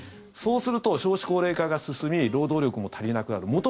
そうすると、少子高齢化が進み労働力も足りなくなる。